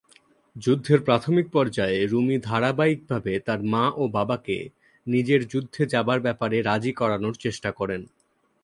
যুদ্ধের প্রাথমিক পর্যায়ে, রুমী ধারাবাহিকভাবে তার মা ও বাবাকে নিজের যুদ্ধে যাবার ব্যাপারে রাজি করানোর চেষ্টা করেন।